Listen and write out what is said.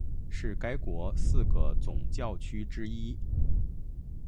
是该国四个总教区之一。